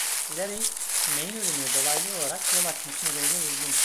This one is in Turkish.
Larry, May’in ölümüne dolaylı olarak yol açması nedeniyle üzgün.